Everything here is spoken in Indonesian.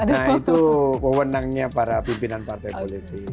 nah itu pewenangnya para pimpinan partai politik